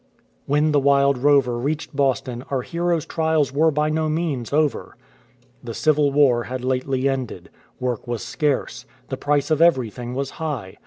When the Wild Rover reached Boston our hero'^s trials were by no means over. The Civil War had lately ended. Work was scarce ; the price of everything was high.